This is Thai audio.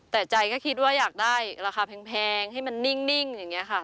แต่ใจก็คิดว่าอยากได้ราคาแพงให้มันนิ่งอย่างนี้ค่ะ